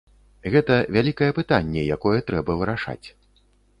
Гэта вялікае пытанне, якое трэба вырашаць.